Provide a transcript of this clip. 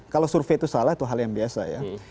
kalau survei itu salah itu hal yang biasa ya